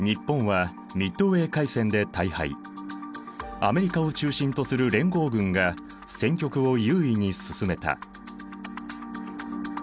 アメリカを中心とする連合軍が戦局を優位に進めた。